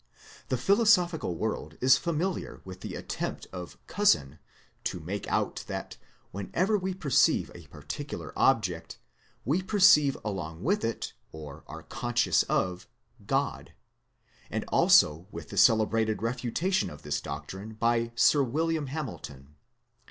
The philosophical world is familiar with the attempt of Cousin to make out that when ever we perceive a particular object, we perceive along with it, or are conscious of, God ; and also with the celebrated refutation of this doctrine by Sir William Hamilton.